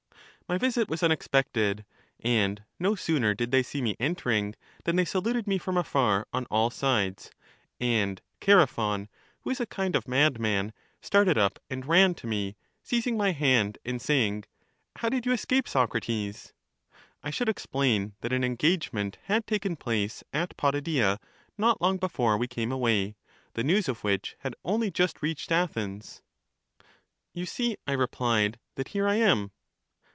My visit was unex pected, and no sooner did they see me entering than they saluted me from afar on all sides; and Chaere phon, who is a kind of madman, started up and ran to me, seizing my hand, and saying, How did you escape, Socrates? — (I should explain that an en gagement had taken place at Potidaea not long before we came away, the news of which had only just reached Athens.) You see, I replied, that here I am.